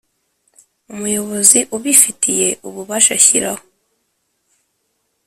Umuyobozi ubifitiye ububasha ashyiraho